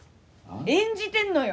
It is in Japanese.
演じてんのよ。